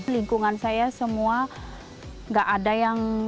lingkungan saya semua gak ada yang